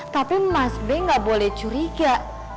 tapi mas b nggak boleh curiga